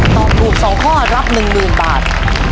ตอบถูก๒ข้อรับ๑๐๐๐บาท